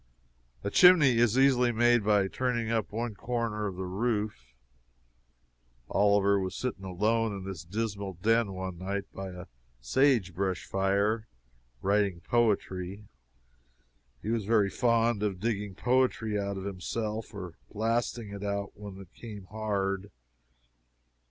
A chimney is easily made by turning up one corner of the roof. Oliver was sitting alone in this dismal den, one night, by a sage brush fire, writing poetry; he was very fond of digging poetry out of himself or blasting it out when it came hard.